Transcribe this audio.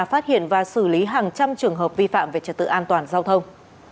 phát hiện và xử lý hàng trăm trường hợp vi phạm về trật tự an toàn giao thông